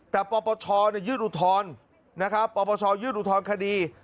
แต่ปปชยืดอุทธรณ์คดี